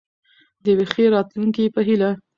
د یوې ښې راتلونکې په هیله.